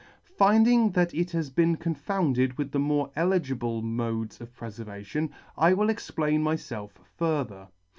Finding that it has been confounded with the more eligible m6des v of prefervation, I will explain myfelf further.